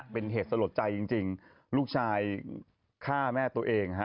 เป็นเหตุสลดใจจริงลูกชายฆ่าแม่ตัวเองฮะ